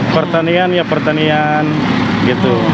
pertanian ya pertanian gitu